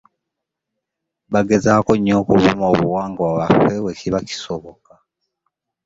Bagezaako nnyo okukuuma obuwangwa bwaffe we kiba kisoboka.